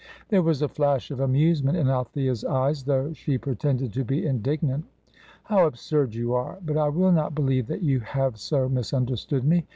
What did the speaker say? There was a flash of amusement in Althea's eyes, though she pretended to be indignant. "How absurd you are! But I will not believe that you have so misunderstood me.